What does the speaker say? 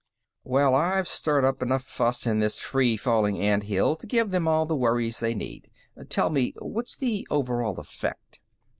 "Well, I've stirred up enough fuss in this free falling anthill to give them all the worries they need. Tell me what's the overall effect?"